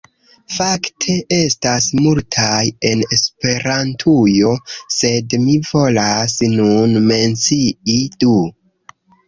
Fakte, estas multaj en Esperantujo sed mi volas nun mencii du